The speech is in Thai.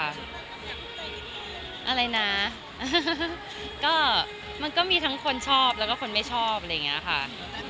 อะไรนะก็มันก็มีทั้งคนชอบแล้วก็คนไม่ชอบอะไรอย่างนี้ค่ะ